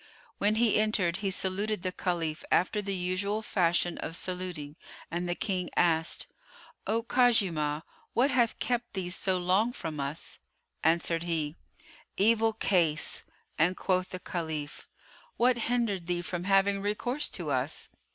When he entered, he saluted the Caliph after the usual fashion of saluting[FN#104] and the King asked, "O Khuzaymah, what hath kept thee so long from us?" Answered he, "Evil case," and quoth the Caliph, "What hindered thee from having recourse to us?"